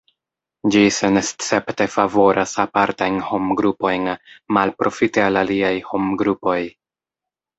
Ĝi senescepte favoras apartajn homgrupojn malprofite al aliaj homgrupoj.